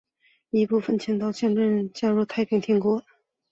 一部分余部逃往镇江加入太平天国。